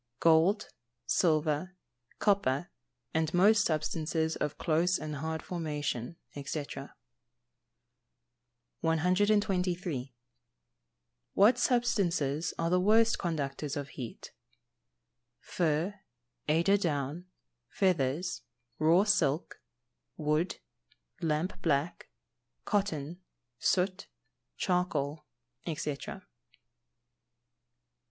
_ Gold, silver, copper, and most substances of close and hard formation, &c. 123. What substances are the worst conductors of heat? Fur, eider down, feathers, raw silk, wood, lamp black, cotton, soot, charcoal, &c. 124.